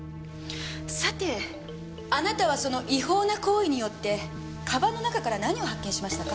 さてあなたはその違法な行為によって鞄の中から何を発見しましたか？